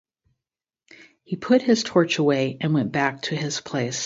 He put his torch away and went back to his place.